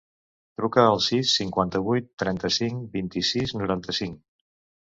Truca al sis, cinquanta-vuit, trenta-cinc, vint-i-sis, noranta-cinc.